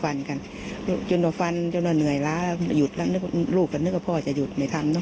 ตอนการดูฟันก็เหนื่อยแล้วลูกก็นึกว่าพ่อจะหยุดไม่ทำ